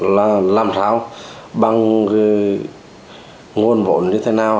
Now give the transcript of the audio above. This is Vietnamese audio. là làm sao bằng cái nguồn vốn như thế nào